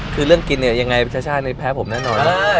คือเรื่องกินเนี่ยยังไงช่าแพ้ผมแน่นอน